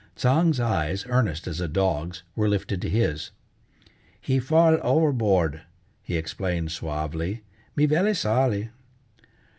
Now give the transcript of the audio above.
Tsang's eyes, earnest as a dog's, were lifted to his: "He fall overboard," he explained suavely, "me velly solly."